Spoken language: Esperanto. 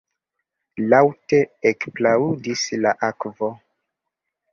Laŭte ekplaŭdis la akvo.